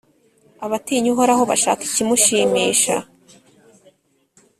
Abatinya Uhoraho bashaka ikimushimisha,